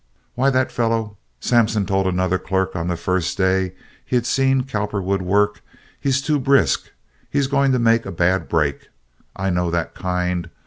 "Why, that fellow," Sampson told another clerk on the first day he had seen Cowperwood work, "he's too brisk. He's going to make a bad break. I know that kind.